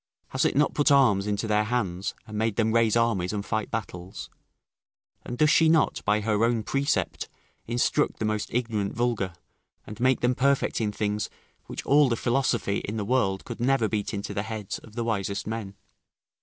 has it not put arms into their hands, and made them raise armies and fight battles? And does she not, by her own precept, instruct the most ignorant vulgar, and make them perfect in things which all the philosophy in the world could never beat into the heads of the wisest men?